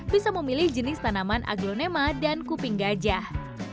bisa memilih jenis tanaman aglonema dan kuping gajah